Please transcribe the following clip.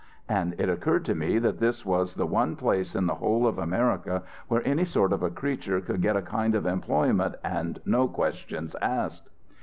And it occurred to me that this was the one place in the whole of America where any sort of a creature could get a kind of employment and no questions asked.